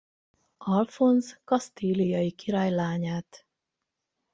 Alfonz kasztíliai király lányát.